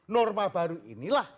norma baru inilah